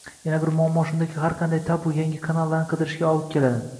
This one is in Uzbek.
Yana bir muammo shundaki, har qanday tabu yangi kanallarni qidirishga olib keladi